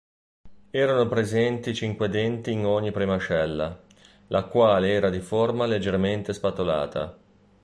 Erano presenti cinque denti in ogni premascella, la quale era di forma leggermente spatolata.